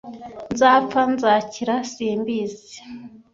Nzapfa nzakira simbizi.